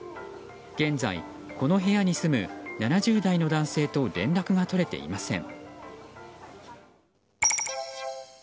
現在、この部屋に住む７０代の男性と連絡が取れていません。